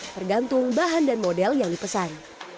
tergantung bahan dan model yang dipesan